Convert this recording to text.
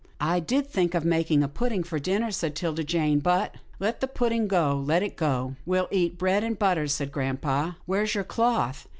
" I did think of making a pudding for din ner," said 'Tilda Jane, " but —"" Let the pudding go — let it go. We'll eat bread and butter," said grampa. " Where's your cloth?